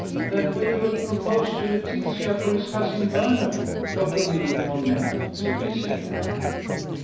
"That Willoughby proposed to Laetitia for his cousin Vernon, Doctor Middleton meant," said Miss Eleanor.